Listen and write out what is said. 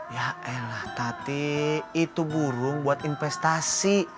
ya elah tati itu burung buat investasi